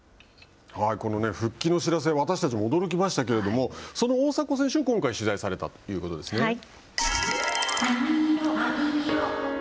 この復帰の知らせ私たちも驚きましたけれどもその大迫選手を今回取材されたということですよね。